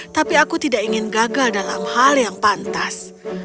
tapi aku tidak ingin gagal dalam hal yang pantas